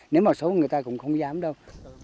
nếu mà xấu người ta cũng không dám đâu